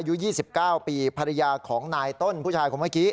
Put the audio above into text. อยู่ยี่สิบเก้าปีภรรยาของนายต้นผู้ชายของเมื่อกี้